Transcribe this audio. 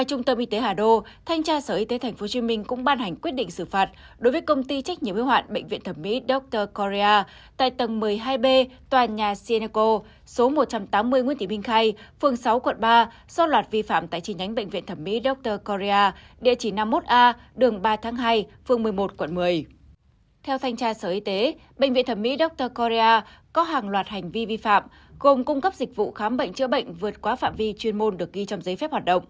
tháng hai hai nghìn hai mươi một trung tâm y tế hà đô cũng bị sở y tế tp hcm xử phạt hành chính năm mươi hai triệu đồng vì thu tiền dịch vụ khám bệnh cao hơn giá niêm yết